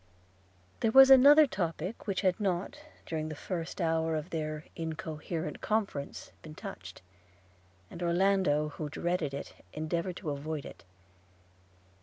There was another topic which had not during the first hour of their incoherent conference been touched; and Orlando, who dreaded it, endeavoured to avoid it.